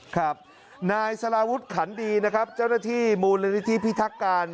ครับนายสารวุฒิขันดีนะครับเจ้าหน้าที่มูลนิธิพิทักการ